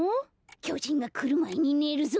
きょじんがくるまえにねるぞ。